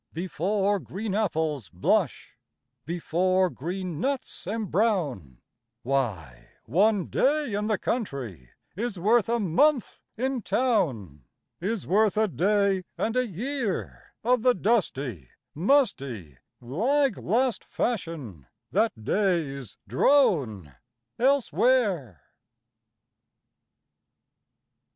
Before green apples blush, Before green nuts embrown, Why, one day in the country Is worth a month in town; Is worth a day and a year Of the dusty, musty, lag last fashion That days drone elsewhere.